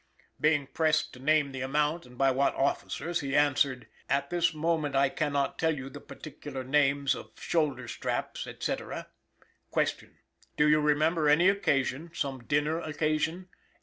Being pressed to name the amount and by what officers, he answered: "At this moment, I cannot tell you the particular names of shoulder straps, &c. "Q. Do you remember any occasion some dinner occasion?